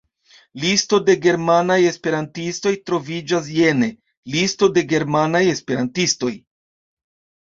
Listo de germanaj esperantistoj troviĝas jene: Listo de germanaj esperantistoj.